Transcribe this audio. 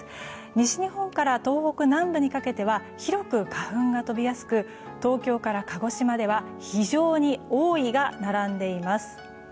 西日本から東北南部にかけては広く花粉が飛びやすく東京から鹿児島では非常に多いが並んでいます。